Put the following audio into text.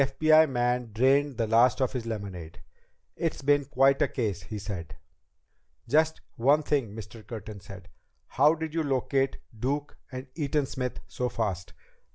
The FBI man drained the last of his lemonade. "It's been quite a case," he said. "Just one other thing," Mr. Curtin said. "How did you locate Duke and Eaton Smith so fast?"